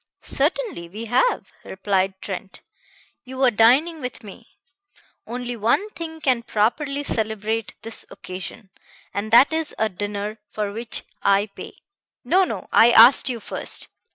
"Certainly we have," replied Trent. "You are dining with me. Only one thing can properly celebrate this occasion, and that is a dinner for which I pay. No, no! I asked you first.